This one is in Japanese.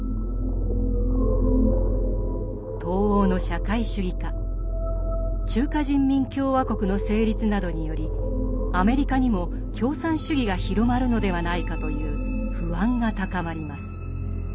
東欧の社会主義化中華人民共和国の成立などによりアメリカにも共産主義が広まるのではないかという不安が高まります。